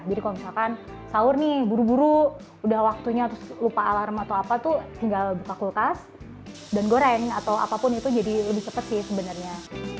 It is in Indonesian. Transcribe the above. jadi kalau misalkan sahur nih buru buru udah waktunya lupa alarm atau apa tuh tinggal buka kulkas dan goreng atau apapun itu jadi lebih cepat sih sebenarnya